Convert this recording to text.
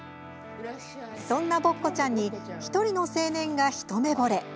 そんなボッコちゃんに１人の青年が一目ぼれ。